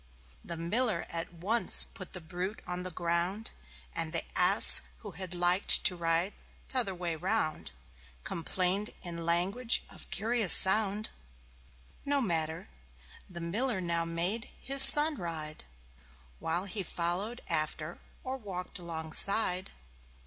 The Miller at once put the brute on the ground; And the Ass, who had liked to ride t'other way round, Complained in language of curious sound. No matter. The Miller now made his Son ride, While he followed after or walked alongside.